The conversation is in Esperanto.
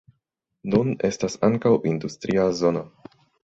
Nun estas ankaŭ industria zono.